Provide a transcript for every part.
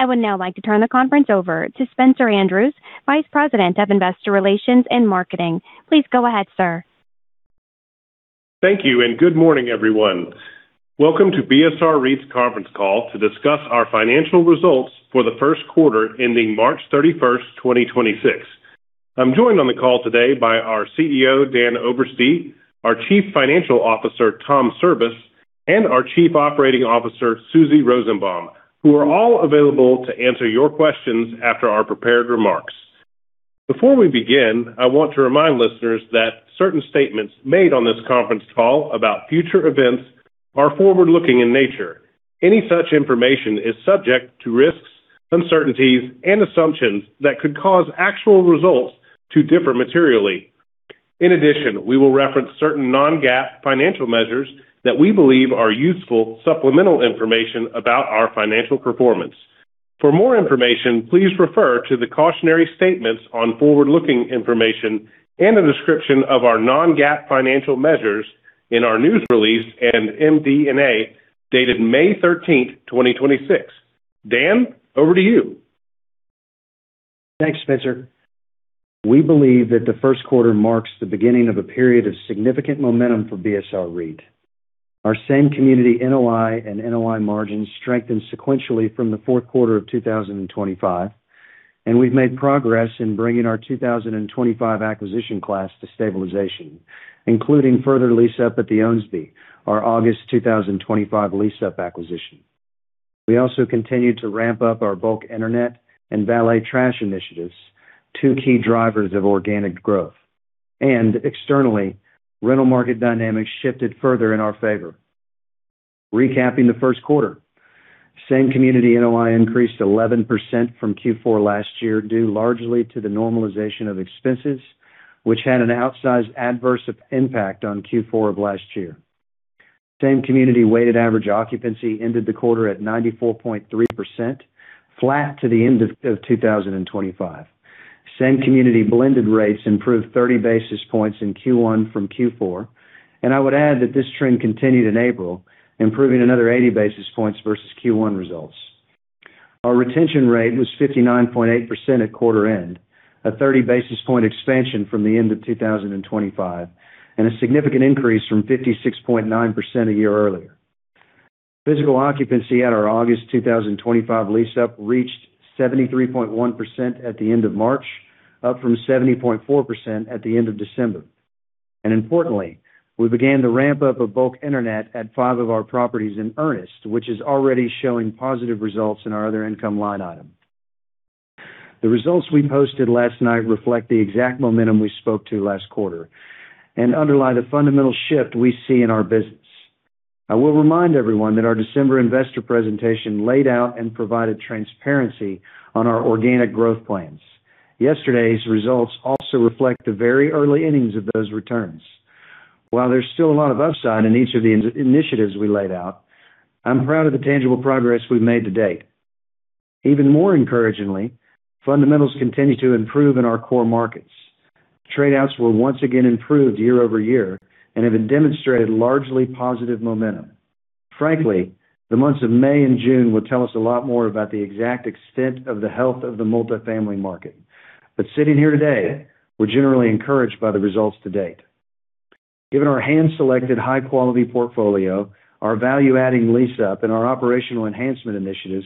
I now like to turn the conference over to Spencer Andrews, Vice President of Investor Relations and Marketing. Please go ahead, sir. Thank you, good morning, everyone. Welcome to BSR REIT's conference call to discuss our financial results for the Q1 ending March 31st, 2026. I'm joined on the call today by our CEO, Dan Oberste, our Chief Financial Officer, Tom Cirbus, and our Chief Operating Officer, Susie Rosenbaum, who are all available to answer your questions after our prepared remarks. Before we begin, I want to remind listeners that certain statements made on this conference call about future events are forward-looking in nature. Any such information is subject to risks, uncertainties, and assumptions that could cause actual results to differ materially. In addition, we will reference certain non-GAAP financial measures that we believe are useful supplemental information about our financial performance. For more information, please refer to the cautionary statements on forward-looking information and a description of our non-GAAP financial measures in our news release and MD&A dated May 13th, 2026. Dan, over to you. Thanks, Spencer. We believe that the Q1 marks the beginning of a period of significant momentum for BSR REIT. Our same community NOI and NOI margins strengthened sequentially from the Q4 of 2025, and we've made progress in bringing our 2025 acquisition class to stabilization, including further lease-up at The Ownsby, our August 2025 lease-up acquisition. We also continued to ramp up our bulk internet and valet trash initiatives, two key drivers of organic growth. Externally, rental market dynamics shifted further in our favor. Recapping the Q1, same community NOI increased 11% from Q4 last year, due largely to the normalization of expenses, which had an outsized adverse impact on Q4 of last year. Same community weighted average occupancy ended the quarter at 94.3%, flat to the end of 2025. Same community blended rates improved 30 basis points in Q1 from Q4. I would add that this trend continued in April, improving another 80 basis points versus Q1 results. Our retention rate was 59.8% at quarter end, a 30 basis point expansion from the end of 2025, and a significant increase from 56.9% a year earlier. Physical occupancy at our August 2025 lease-up reached 73.1% at the end of March, up from 70.4% at the end of December. Importantly, we began the ramp-up of bulk internet at five of our properties in earnest, which is already showing positive results in our other income line item. The results we posted last night reflect the exact momentum we spoke to last quarter and underlie the fundamental shift we see in our business. I will remind everyone that our December investor presentation laid out and provided transparency on our organic growth plans. Yesterday's results also reflect the very early innings of those returns. While there's still a lot of upside in each of the initiatives we laid out, I'm proud of the tangible progress we've made to date. Even more encouragingly, fundamentals continue to improve in our core markets. Trade-outs were once again improved year-over-year and have demonstrated largely positive momentum. Frankly, the months of May and June will tell us a lot more about the exact extent of the health of the multi-family market. Sitting here today, we're generally encouraged by the results to date. Given our hand-selected high-quality portfolio, our value-adding lease-up, and our operational enhancement initiatives,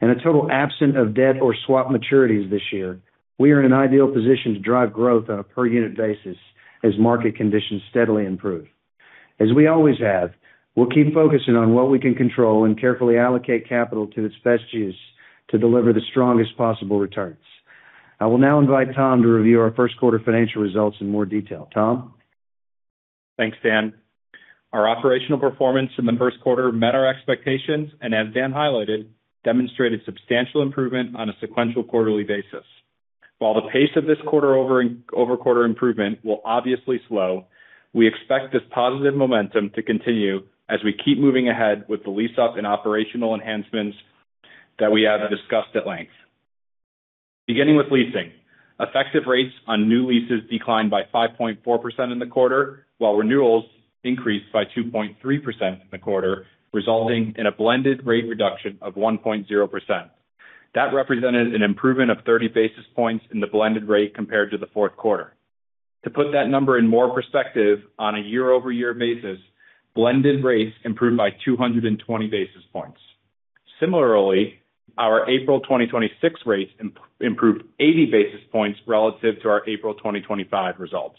and a total absence of debt or swap maturities this year, we are in an ideal position to drive growth on a per unit basis as market conditions steadily improve. As we always have, we'll keep focusing on what we can control and carefully allocate capital to its best use to deliver the strongest possible returns. I will now invite Tom to review our Q1 financial results in more detail. Tom? Thanks, Dan. Our operational performance in the Q1 met our expectations, and as Dan highlighted, demonstrated substantial improvement on a sequential quarterly basis. While the pace of this quarter-over-quarter improvement will obviously slow, we expect this positive momentum to continue as we keep moving ahead with the lease-up and operational enhancements that we have discussed at length. Beginning with leasing. Effective rates on new leases declined by 5.4% in the quarter, while renewals increased by 2.3% in the quarter, resulting in a blended rate reduction of 1.0%. That represented an improvement of 30 basis points in the blended rate compared to the Q4. To put that number in more perspective, on a year-over-year basis, blended rates improved by 220 basis points. Similarly, our April 2026 rates improved 80 basis points relative to our April 2025 results.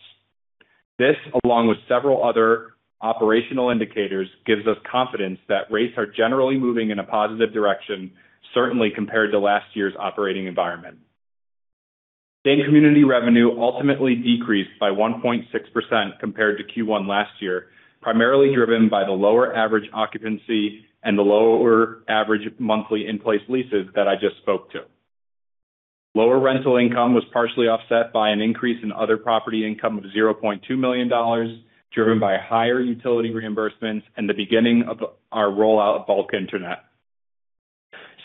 This, along with several other operational indicators, gives us confidence that rates are generally moving in a positive direction, certainly compared to last year's operating environment. Same community revenue ultimately decreased by 1.6% compared to Q1 last year, primarily driven by the lower average occupancy and the lower average monthly in-place leases that I just spoke to. Lower rental income was partially offset by an increase in other property income of $0.2 million, driven by higher utility reimbursements and the beginning of our rollout of bulk internet.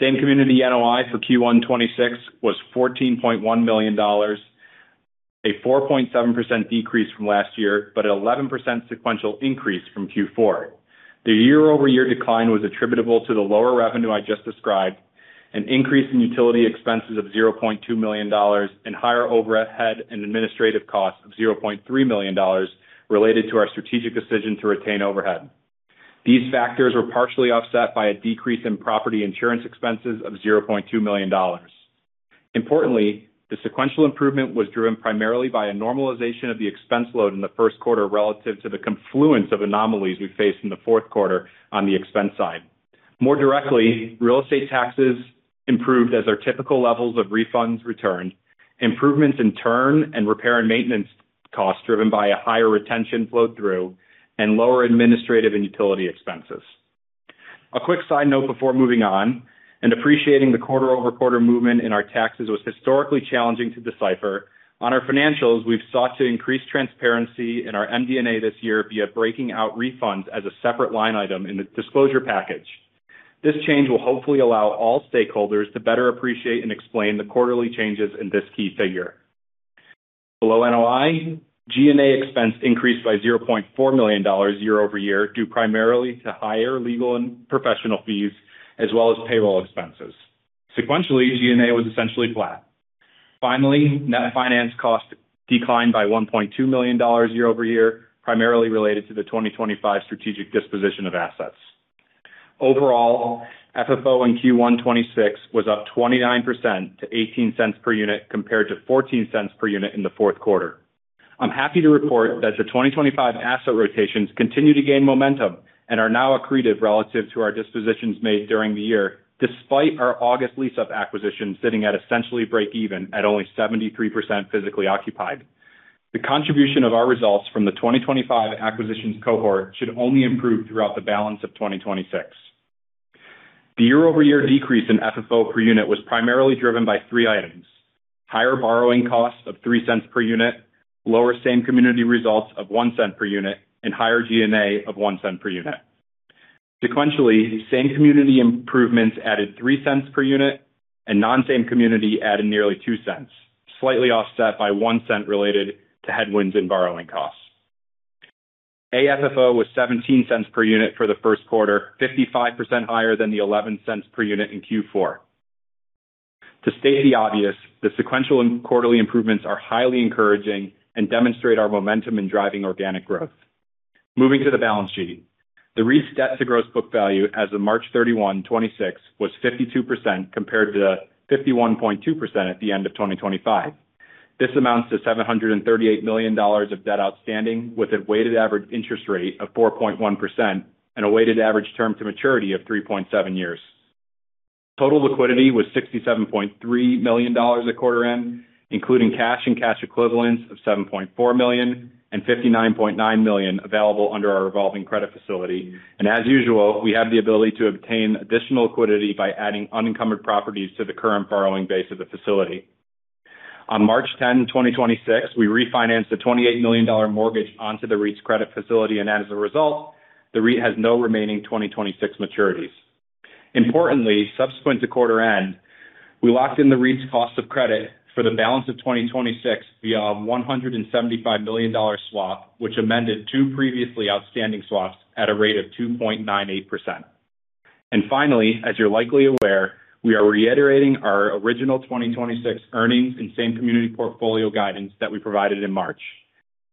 Same community NOI for Q1 2026 was $14.1 million. A 4.7% decrease from last year, but an 11% sequential increase from Q4. The year-over-year decline was attributable to the lower revenue I just described, an increase in utility expenses of $0.2 million, and higher overhead and administrative costs of $0.3 million related to our strategic decision to retain overhead. These factors were partially offset by a decrease in property insurance expenses of $0.2 million. Importantly, the sequential improvement was driven primarily by a normalization of the expense load in the Q1 relative to the confluence of anomalies we faced in the Q4 on the expense side. More directly, real estate taxes improved as our typical levels of refunds returned, improvements in turn and repair and maintenance costs driven by a higher retention flow through, and lower administrative and utility expenses. A quick side note before moving on, and appreciating the quarter-over-quarter movement in our taxes was historically challenging to decipher. On our financials, we've sought to increase transparency in our MD&A this year via breaking out refunds as a separate line item in the disclosure package. This change will hopefully allow all stakeholders to better appreciate and explain the quarterly changes in this key figure. Below NOI, G&A expense increased by $0.4 million year-over-year, due primarily to higher legal and professional fees as well as payroll expenses. Sequentially, G&A was essentially flat. Finally, net finance costs declined by $1.2 million year-over-year, primarily related to the 2025 strategic disposition of assets. Overall, FFO in Q1 2026 was up 29% to $0.18 per unit compared to $0.14 per unit in the Q4. I'm happy to report that the 2025 asset rotations continue to gain momentum and are now accretive relative to our dispositions made during the year, despite our August lease-up acquisition sitting at essentially break even at only 73% physically occupied. The contribution of our results from the 2025 acquisitions cohort should only improve throughout the balance of 2026. The year-over-year decrease in FFO per unit was primarily driven by three items. Higher borrowing costs of $0.03 per unit, lower same community results of $0.01 per unit, and higher G&A of $0.01 per unit. Sequentially, same community improvements added $0.03 per unit, and non-same community added nearly $0.02, slightly offset by $0.01 related to headwinds and borrowing costs. AFFO was $0.17 per unit for the Q1, 55% higher than the $0.11 per unit in Q4. To state the obvious, the sequential and quarterly improvements are highly encouraging and demonstrate our momentum in driving organic growth. Moving to the balance sheet. The REIT's debt to gross book value as of March 31, 2026 was 52% compared to 51.2% at the end of 2025. This amounts to $738 million of debt outstanding, with a weighted average interest rate of 4.1% and a weighted average term to maturity of 3.7 years. Total liquidity was $67.3 million at quarter end, including cash and cash equivalents of $7.4 million and $59.9 million available under our revolving credit facility. As usual, we have the ability to obtain additional liquidity by adding unencumbered properties to the current borrowing base of the facility. On March 10, 2026, we refinanced a $28 million mortgage onto the REIT's credit facility. As a result, the REIT has no remaining 2026 maturities. Importantly, subsequent to quarter end, we locked in the REIT's cost of credit for the balance of 2026 via a $175 million swap, which amended two previously outstanding swaps at a rate of 2.98%. Finally, as you're likely aware, we are reiterating our original 2026 earnings and same community portfolio guidance that we provided in March.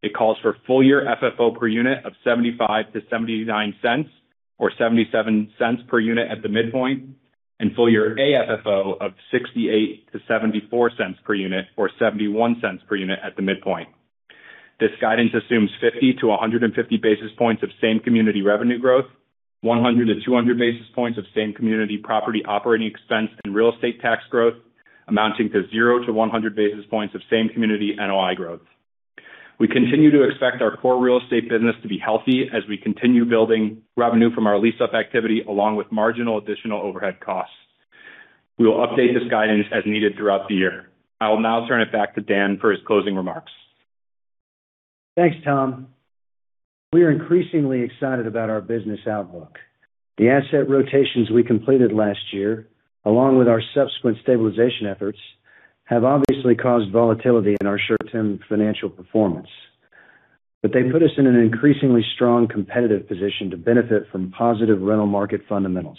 It calls for full year FFO per unit of $0.75-$0.79 or $0.77 per unit at the midpoint, and full year AFFO of $0.68-$0.74 per unit, or $0.71 per unit at the midpoint. This guidance assumes 50-150 basis points of same community revenue growth, 100-200 basis points of same community property operating expense and real estate tax growth, amounting to 0-100 basis points of same community NOI growth. We continue to expect our core real estate business to be healthy as we continue building revenue from our lease-up activity, along with marginal additional overhead costs. We will update this guidance as needed throughout the year. I will now turn it back to Dan for his closing remarks. Thanks, Tom. We are increasingly excited about our business outlook. The asset rotations we completed last year, along with our subsequent stabilization efforts, have obviously caused volatility in our short-term financial performance. They put us in an increasingly strong competitive position to benefit from positive rental market fundamentals.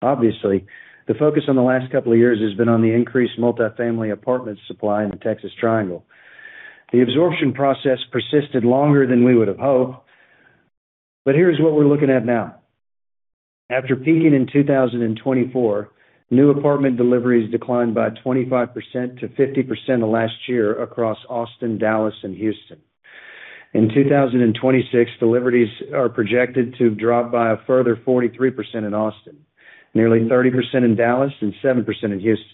Obviously, the focus on the last couple of years has been on the increased multifamily apartment supply in the Texas Triangle. The absorption process persisted longer than we would have hoped, but here's what we're looking at now. After peaking in 2024, new apartment deliveries declined by 25%-50% of last year across Austin, Dallas, and Houston. In 2026, deliveries are projected to drop by a further 43% in Austin, nearly 30% in Dallas, and 7% in Houston.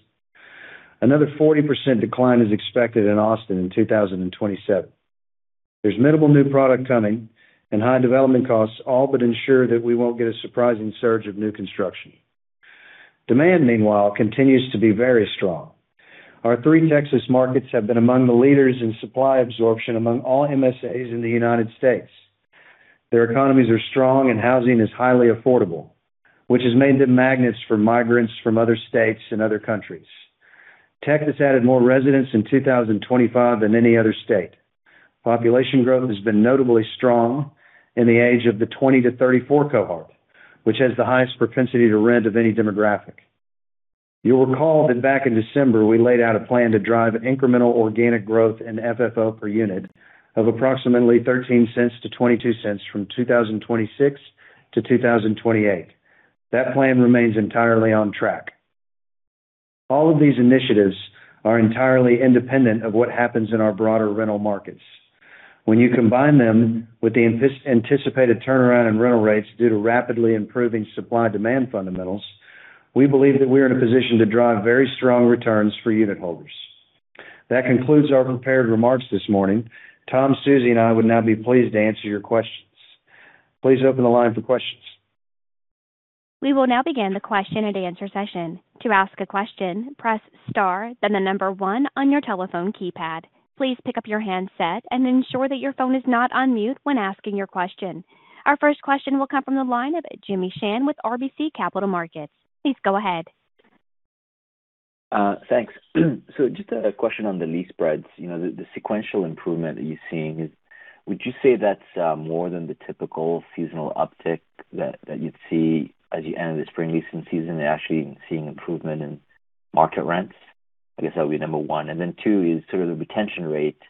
Another 40% decline is expected in Austin in 2027. There's minimal new product coming, and high development costs all but ensure that we won't get a surprising surge of new construction. Demand, meanwhile, continues to be very strong. Our three Texas markets have been among the leaders in supply absorption among all MSAs in the U.S. Their economies are strong and housing is highly affordable, which has made them magnets for migrants from other states and other countries. Texas added more residents in 2025 than any other state. Population growth has been notably strong in the age of the 20-34 cohort, which has the highest propensity to rent of any demographic. You'll recall that back in December, we laid out a plan to drive incremental organic growth in FFO per unit of approximately $0.13-$0.22 from 2026 to 2028. That plan remains entirely on track. All of these initiatives are entirely independent of what happens in our broader rental markets. When you combine them with the anticipated turnaround in rental rates due to rapidly improving supply-demand fundamentals, we believe that we are in a position to drive very strong returns for unitholders. That concludes our prepared remarks this morning. Tom, Susie, and I would now be pleased to answer your questions. Please open the line for questions. We will now begin the question-and-answer session. Our first question will come from the line of Jimmy Shan with RBC Capital Markets. Please go ahead. Thanks. Just a question on the lease spreads. You know, the sequential improvement that you're seeing, would you say that's more than the typical seasonal uptick that you'd see as you end the spring leasing season and actually seeing improvement in market rents? I guess that would be number 1. Then two is sort of the retention rate.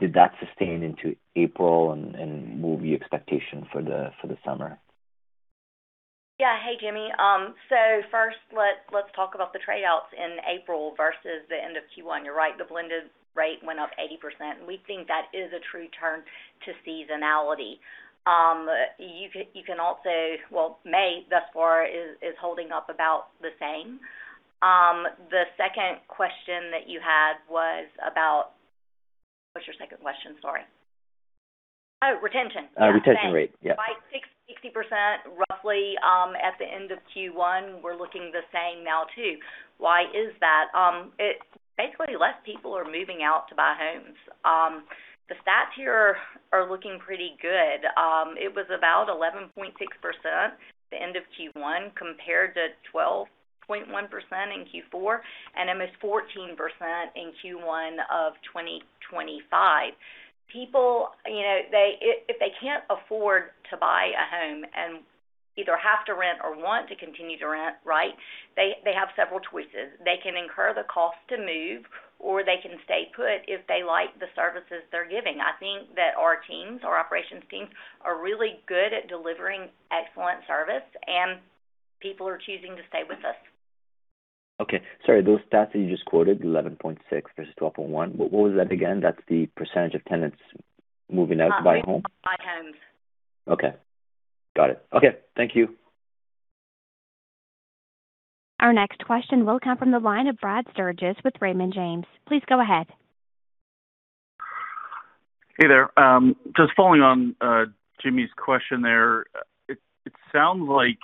Did that sustain into April and what would be expectation for the summer? Yeah. Hey, Jimmy. First let's talk about the trade-outs in April versus the end of Q1. You're right, the blended rate went up 80%, and we think that is a true turn to seasonality. You can also. Well, May thus far is holding up about the same. The second question that you had was about What's your second question? Sorry. Oh, retention. Retention rate. Yeah. Yeah, thanks. By 60% roughly, at the end of Q1, we're looking the same now too. Why is that? Basically less people are moving out to buy homes. The stats here are looking pretty good. It was about 11.6% at the end of Q1, compared to 12.1% in Q4, and it was 14% in Q1 of 2025. People, you know, if they can't afford to buy a home and either have to rent or want to continue to rent, right, they have several choices. They can incur the cost to move, or they can stay put if they like the services they're giving. I think that our teams, our operations teams, are really good at delivering excellent service, and people are choosing to stay with us. Okay. Sorry, those stats that you just quoted, 11.6 versus 12.1, what was that again? That's the percent of tenants moving out to buy a home? Buying homes. Okay. Got it. Okay. Thank you. Our next question will come from the line of Brad Sturges with Raymond James. Please go ahead. Hey there. Just following on Jimmy's question there. It sounds like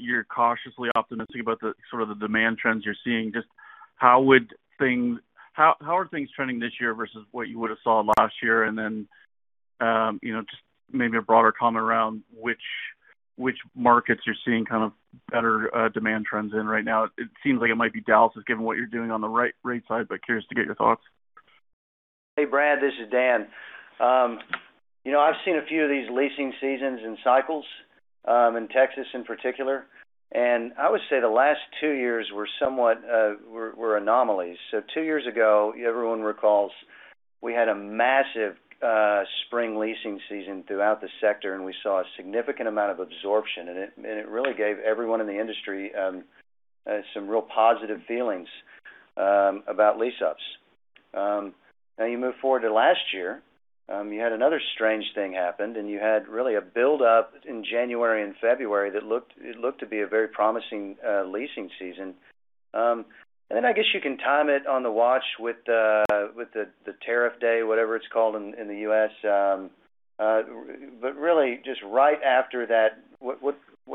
you're cautiously optimistic about the sort of the demand trends you're seeing. Just how are things trending this year versus what you would have saw last year? You know, just maybe a broader comment around which markets you're seeing kind of better demand trends in right now. It seems like it might be Dallas, just given what you're doing on the rate side, but curious to get your thoughts. Hey, Brad, this is Dan. You know, I've seen a few of these leasing seasons and cycles in Texas in particular. I would say the last two years were somewhat anomalies. Two years ago, everyone recalls we had a massive spring leasing season throughout the sector. We saw a significant amount of absorption. It really gave everyone in the industry some real positive feelings about lease-ups. You move forward to last year, you had another strange thing happened, you had really a build-up in January and February that looked to be a very promising leasing season. I guess you can time it on the watch with the Tariff Day, whatever it's called in the U.S. Really just right after that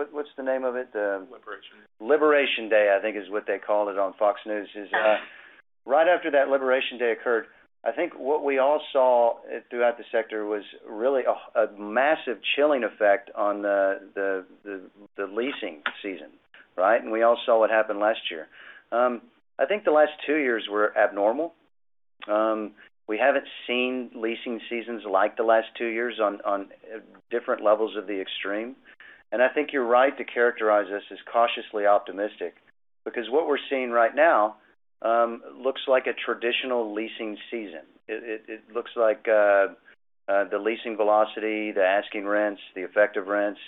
What's the name of it? Liberation Day. Liberation Day, I think, is what they called it on Fox News. Yeah. Right after that Liberation Day occurred, I think what we all saw throughout the sector was really a massive chilling effect on the leasing season. We all saw what happened last year. I think the last two years were abnormal. We haven't seen leasing seasons like the last two years on different levels of the extreme. I think you're right to characterize this as cautiously optimistic because what we're seeing right now looks like a traditional leasing season. It looks like the leasing velocity, the asking rents, the effective rents,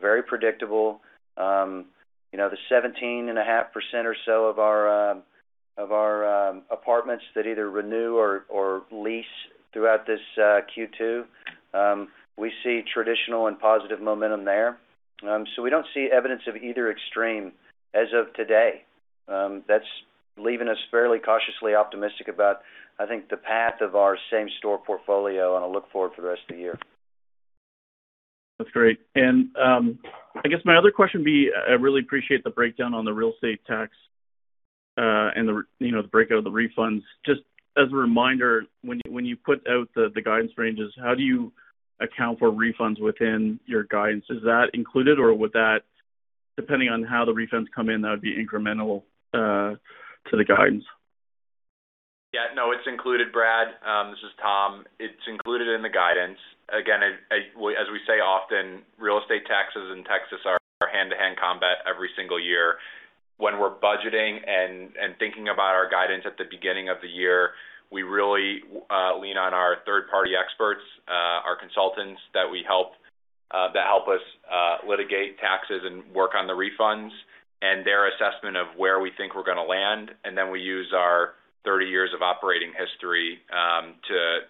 very predictable. You know, the 17.5% or so of our apartments that either renew or lease throughout this Q2, we see traditional and positive momentum there. We don't see evidence of either extreme as of today. That's leaving us fairly cautiously optimistic about, I think, the path of our same store portfolio and our look forward for the rest of the year. That's great. I guess my other question would be, I really appreciate the breakdown on the real estate tax, and the, you know, the breakout of the refunds. Just as a reminder, when you, when you put out the guidance ranges, how do you account for refunds within your guidance? Is that included, or would that, depending on how the refunds come in, that would be incremental to the guidance? Yeah. No, it's included, Brad. This is Tom. It's included in the guidance. Again, well, as we say often, real estate taxes in Texas are hand-to-hand combat every single year. When we're budgeting and thinking about our guidance at the beginning of the year, we really lean on our third-party experts, our consultants that help us litigate taxes and work on the refunds, and their assessment of where we think we're gonna land. Then we use our 30 years of operating history,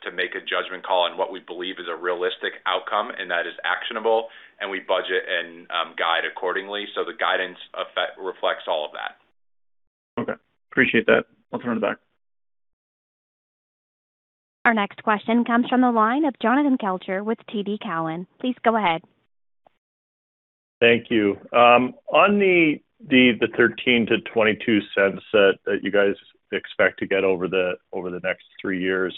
to make a judgment call on what we believe is a realistic outcome and that is actionable, and we budget and guide accordingly. The guidance effect reflects all of that. Okay. Appreciate that. I'll turn it back. Our next question comes from the line of Jonathan Kelcher with TD Cowen. Please go ahead. Thank you. On the $0.13-$0.22 that you guys expect to get over the next three years,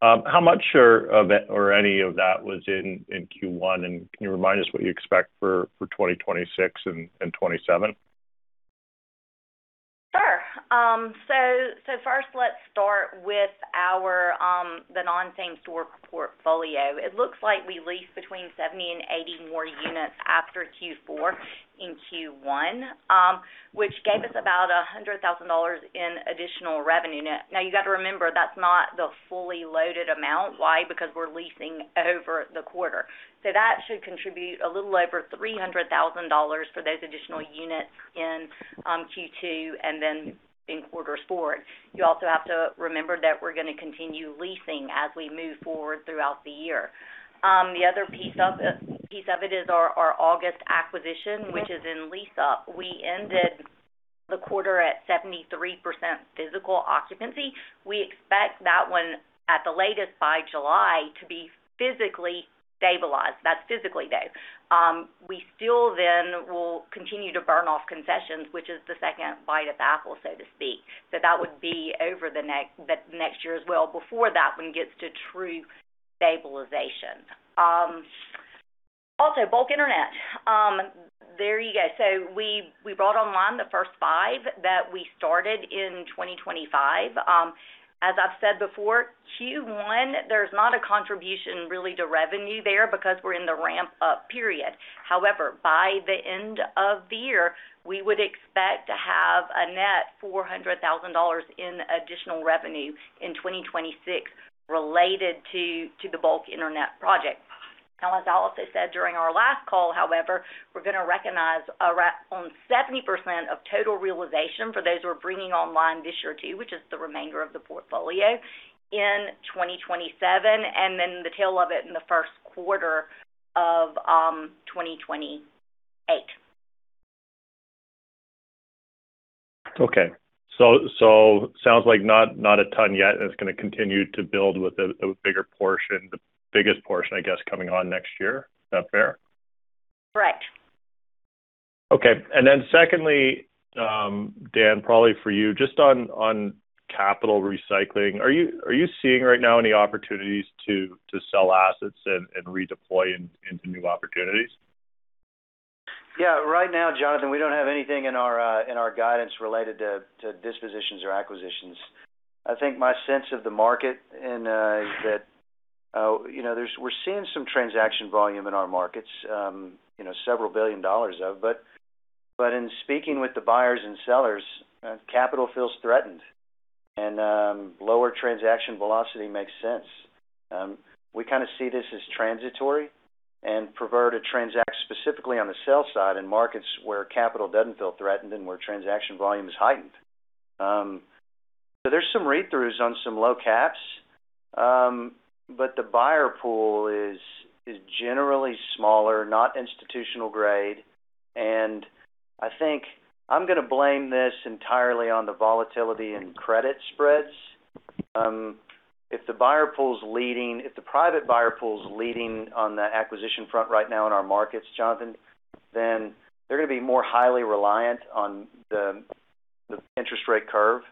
how much are of it or any of that was in Q1? Can you remind us what you expect for 2026 and 2027? Sure. First let's start with our the non-same store portfolio. It looks like we leased between 70 and 80 more units after Q4 in Q1, which gave us about $100,000 in additional revenue net. You got to remember, that's not the fully loaded amount. Why? Because we're leasing over the quarter. That should contribute a little over $300,000 for those additional units in Q2 and then in quarters forward. You also have to remember that we're gonna continue leasing as we move forward throughout the year. The other piece of it is our August acquisition, which is in lease up. We ended the quarter at 73% physical occupancy. We expect that one at the latest by July to be physically stabilized. That's physically, Dave. We still will continue to burn off concessions, which is the second bite of apple, so to speak. That would be over the next year as well before that one gets to true stabilization. Bulk internet. There you go. We brought online the first five that we started in 2025. As I've said before, Q1, there's not a contribution really to revenue there because we're in the ramp-up period. However, by the end of the year, we would expect to have a net $400,000 in additional revenue in 2026 related to the bulk internet project. Now, as I also said during our last call, however, we're gonna recognize around on 70% of total realization for those who are bringing online this year too, which is the remainder of the portfolio in 2027, and then the tail of it in the Q1 of 2028. Okay. sounds like not a ton yet, and it's gonna continue to build with a bigger portion, the biggest portion, I guess, coming on next year. Is that fair? Correct. Okay. Secondly, Dan, probably for you, just on capital recycling, are you seeing right now any opportunities to sell assets and redeploy into new opportunities? Yeah. Right now, Jonathan, we don't have anything in our in our guidance related to dispositions or acquisitions. I think my sense of the market is that, you know, we're seeing some transaction volume in our markets, you know, several billions of dollars of it. In speaking with the buyers and sellers, capital feels threatened, and lower transaction velocity makes sense. We kind of see this as transitory and prefer to transact specifically on the sale side in markets where capital doesn't feel threatened and where transaction volume is heightened. There's some read-throughs on some low caps. The buyer pool is generally smaller, not institutional grade. I think I'm gonna blame this entirely on the volatility in credit spreads. If the private buyer pool is leading on the acquisition front right now in our markets, Jonathan, then they're gonna be more highly reliant on the interest rate curve.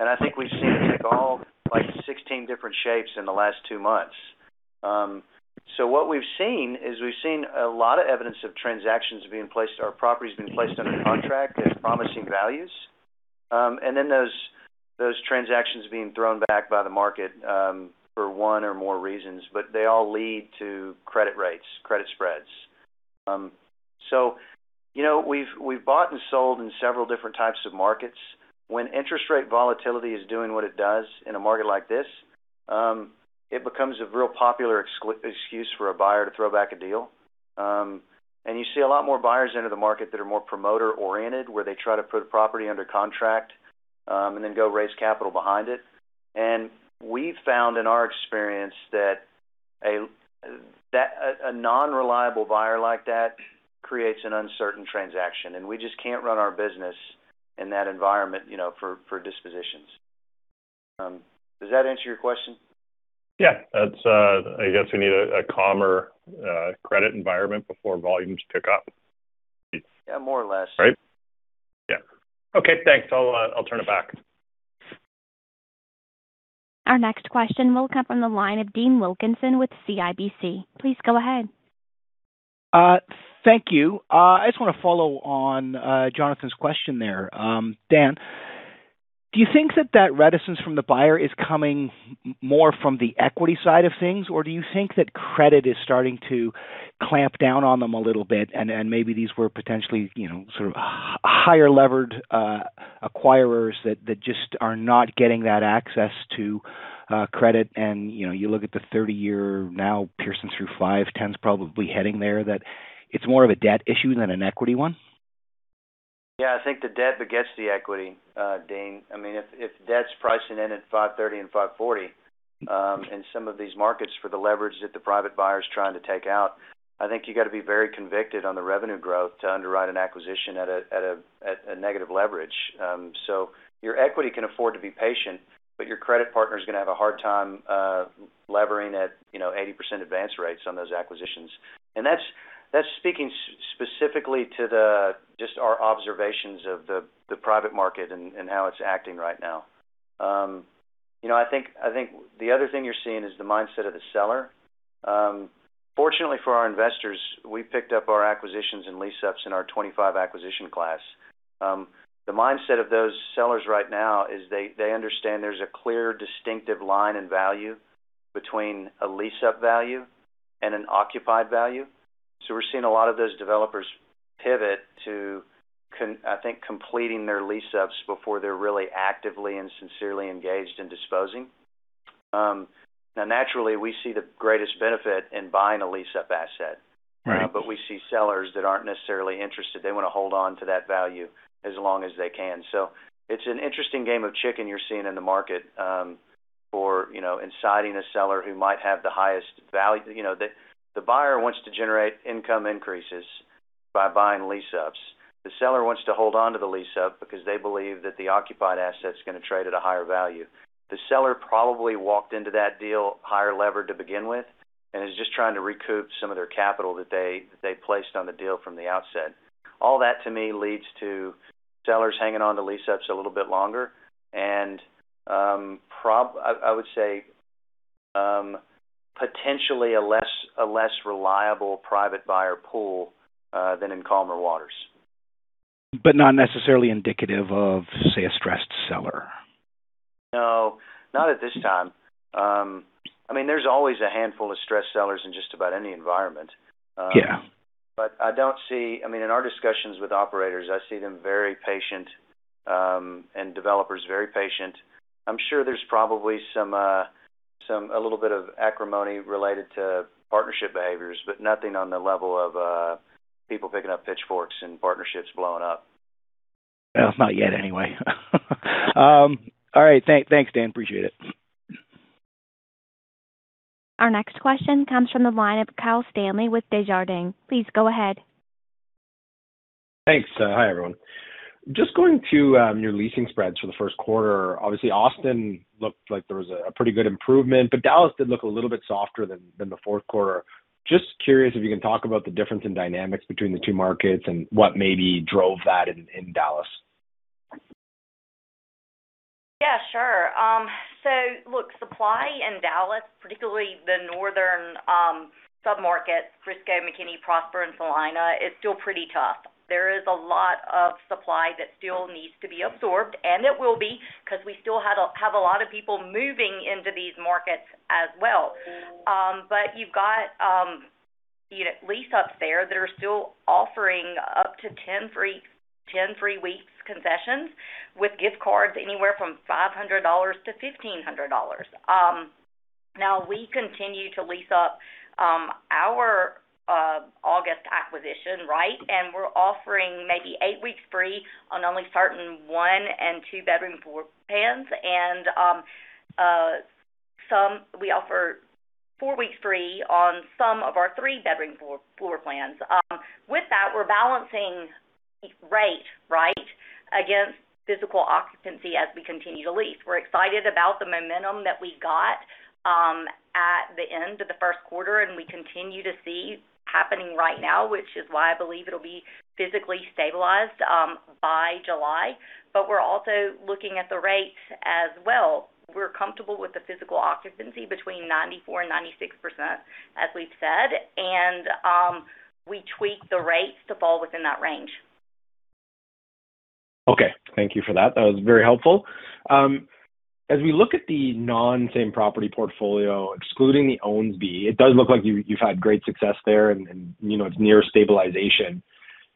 I think we've seen it take all, like, 16 different shapes in the last two months. What we've seen is we've seen a lot of evidence of transactions being placed, or properties being placed under contract at promising values. Those transactions being thrown back by the market, for one or more reasons, but they all lead to credit rates, credit spreads. You know, we've bought and sold in several different types of markets. When interest rate volatility is doing what it does in a market like this, it becomes a real popular excuse for a buyer to throw back a deal. You see a lot more buyers enter the market that are more promoter-oriented, where they try to put a property under contract, and then go raise capital behind it. We've found in our experience that a non-reliable buyer like that creates an uncertain transaction, and we just can't run our business in that environment, you know, for dispositions. Does that answer your question? Yeah, that's, I guess we need a calmer credit environment before volumes pick up. Yeah, more or less. Right? Yeah. Okay, thanks. I'll turn it back. Our next question will come from the line of Dean Wilkinson with CIBC. Please go ahead. Thank you. I just wanna follow on Jonathan's question there. Dan, do you think that that reticence from the buyer is coming more from the equity side of things, or do you think that credit is starting to clamp down on them a little bit and maybe these were potentially, you know, sort of higher levered acquirers that just are not getting that access to credit and, you know, you look at the 30-year now piercing through five, 10's probably heading there, that it's more of a debt issue than an equity one? Yeah, I think the debt begets the equity, Dean. I mean, if debt's pricing in at 530 and 540 in some of these markets for the leverage that the private buyer's trying to take out, I think you gotta be very convicted on the revenue growth to underwrite an acquisition at a negative leverage. So your equity can afford to be patient, but your credit partner's gonna have a hard time levering at, you know, 80% advance rates on those acquisitions. That's speaking specifically to just our observations of the private market and how it's acting right now. You know, I think the other thing you're seeing is the mindset of the seller. Fortunately for our investors, we picked up our acquisitions and lease ups in our 2025 acquisition class. The mindset of those sellers right now is they understand there's a clear distinctive line in value between a lease up value and an occupied value. We're seeing a lot of those developers pivot to completing their lease ups before they're really actively and sincerely engaged in disposing. Now naturally, we see the greatest benefit in buying a lease up asset. Right. We see sellers that aren't necessarily interested. They wanna hold on to that value as long as they can. It's an interesting game of chicken you're seeing in the market, for, you know, inciting a seller who might have the highest value. You know, the buyer wants to generate income increases by buying lease ups. The seller wants to hold on to the lease up because they believe that the occupied asset's gonna trade at a higher value. The seller probably walked into that deal higher levered to begin with, and is just trying to recoup some of their capital that they placed on the deal from the outset. All that to me leads to sellers hanging on to lease ups a little bit longer and, I would say, potentially a less reliable private buyer pool than in calmer waters. Not necessarily indicative of, say, a stressed seller. No, not at this time. I mean, there's always a handful of stressed sellers in just about any environment. Yeah I don't see I mean, in our discussions with operators, I see them very patient, and developers very patient. I'm sure there's probably some a little bit of acrimony related to partnership behaviors, but nothing on the level of, people picking up pitchforks and partnerships blowing up. Well, not yet anyway. All right. Thanks, Dan. Appreciate it. Our next question comes from the line of Kyle Stanley with Desjardins. Please go ahead. Thanks. Hi, everyone. Just going to your leasing spreads for the Q1. Obviously, Austin looked like there was a pretty good improvement. Dallas did look a little bit softer than the Q4. Just curious if you can talk about the difference in dynamics between the two markets and what maybe drove that in Dallas. Sure. Look, supply in Dallas, particularly the northern sub-market, Frisco, McKinney, Prosper, and Celina, is still pretty tough. There is a lot of supply that still needs to be absorbed, and it will be, 'cause we still have a lot of people moving into these markets as well. You've got, you know, lease-ups there that are still offering up to 10 free weeks concessions with gift cards anywhere from $500-$1,500. We continue to lease up our August acquisition, right? We're offering maybe eight weeks free on only certain one and two-bedroom floor plans and some we offer four weeks free on some of our three-bedroom floor plans. With that, we're balancing rate, right, against physical occupancy as we continue to lease. We're excited about the momentum that we got, at the end of the Q1, and we continue to see happening right now, which is why I believe it'll be physically stabilized, by July. We're also looking at the rates as well. We're comfortable with the physical occupancy between 94% and 96%, as we've said, and we tweak the rates to fall within that range. Okay. Thank you for that. That was very helpful. As we look at the non-same property portfolio, excluding The Ownsby, it does look like you've had great success there and, you know, it's near stabilization.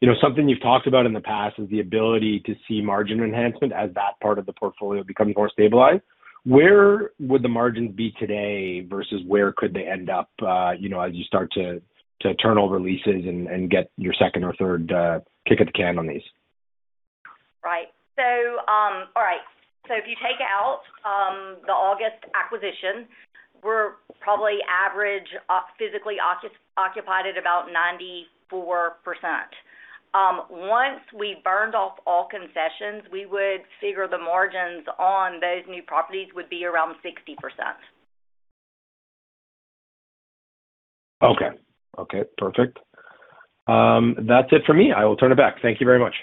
You know, something you've talked about in the past is the ability to see margin enhancement as that part of the portfolio becomes more stabilized. Where would the margins be today versus where could they end up, you know, as you start to turn over leases and get your second or third kick at the can on these? Right. All right. If you take out the August acquisition, we're probably average physically occupied at about 94%. Once we burned off all concessions, we would figure the margins on those new properties would be around 60%. Okay. Okay, perfect. That's it for me. I will turn it back. Thank you very much.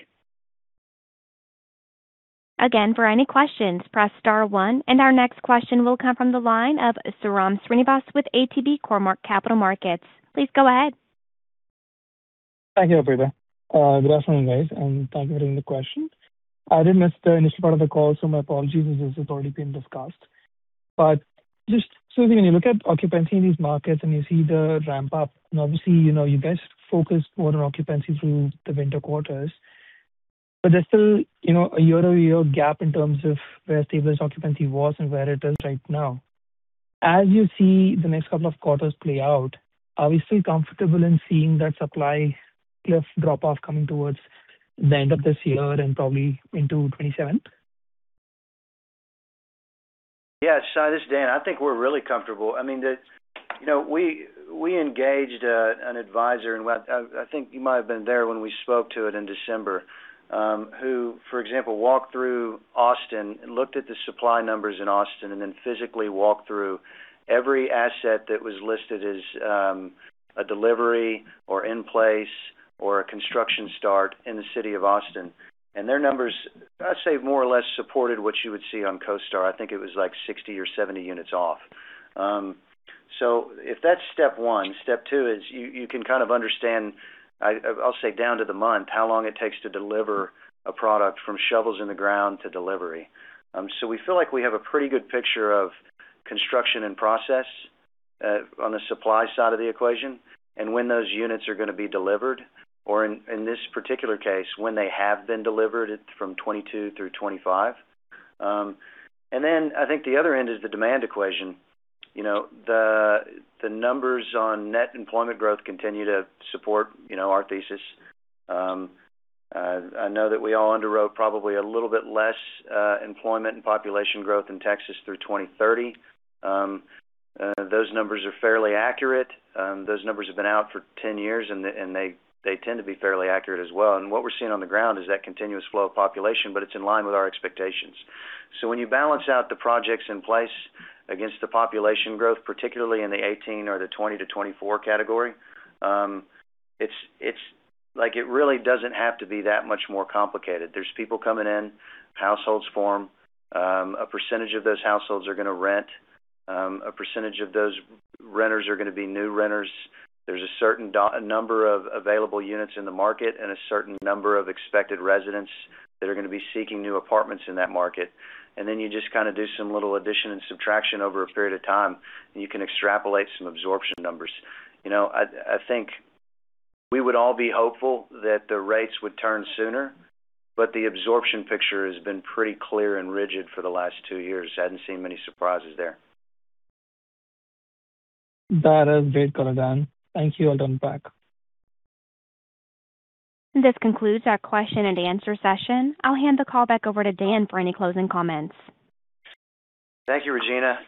Again, for any questions, press star one. Our next question will come from the line of Sairam Srinivas with ATB Capital Markets. Please go ahead. Thank you, operator. Good afternoon, guys, and thank you for taking the question. I did miss the initial part of the call, so my apologies if this has already been discussed. Just so when you look at occupancy in these markets and you see the ramp up, obviously, you know, you guys focus more on occupancy through the winter quarters. There's still, you know, a year-over-year gap in terms of where stable's occupancy was and where it is right now. As you see the next couple of quarters play out, are we still comfortable in seeing that supply cliff drop off coming towards the end of this year and probably into 2027? Sairam, this is Dan. I think we're really comfortable. I mean, you know, we engaged a, an advisor, and I think you might have been there when we spoke to it in December, who, for example, walked through Austin and looked at the supply numbers in Austin and then physically walked through every asset that was listed as a delivery or in place or a construction start in the city of Austin. Their numbers, I'd say, more or less supported what you would see on CoStar. I think it was, like, 60 or 70 units off. If that's step 1, step 2 is you can kind of understand, I'll say down to the month, how long it takes to deliver a product from shovels in the ground to delivery. We feel like we have a pretty good picture of construction and process on the supply side of the equation and when those units are gonna be delivered, or in this particular case, when they have been delivered from 2022 through 2025. I think the other end is the demand equation. You know, the numbers on net employment growth continue to support, you know, our thesis. I know that we all underwrote probably a little bit less employment and population growth in Texas through 2030. Those numbers are fairly accurate. Those numbers have been out for 10 years, and they tend to be fairly accurate as well. What we're seeing on the ground is that continuous flow of population, but it's in line with our expectations. When you balance out the projects in place against the population growth, particularly in the 2018 or the 2020 to 2024 category, it really doesn't have to be that much more complicated. There's people coming in, households form, a percentage of those households are gonna rent, a percentage of those renters are gonna be new renters. There's a certain number of available units in the market and a certain number of expected residents that are gonna be seeking new apartments in that market. Then you just kind of do some little addition and subtraction over a period of time, and you can extrapolate some absorption numbers. You know, I think we would all be hopeful that the rates would turn sooner, but the absorption picture has been pretty clear and rigid for the last two years. I hadn't seen many surprises there. That is great, Dan. Thank you all. Turn it back. This concludes our question and answer session. I'll hand the call back over to Dan for any closing comments. Thank you, Regina.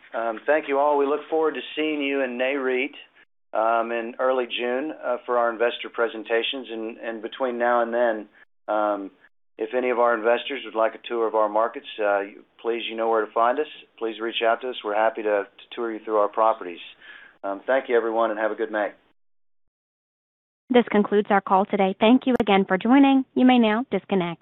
Thank you, all. We look forward to seeing you in Nareit in early June for our investor presentations. Between now and then, if any of our investors would like a tour of our markets, please, you know where to find us. Please reach out to us. We're happy to tour you through our properties. Thank you, everyone, have a good night. This concludes our call today. Thank you again for joining. You may now disconnect.